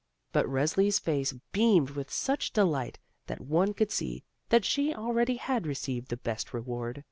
But Resli's face beamed with such delight that one could see that she already had received the best reward.